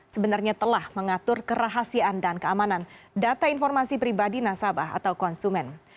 sebenarnya telah mengatur kerahasiaan dan keamanan data informasi pribadi nasabah atau konsumen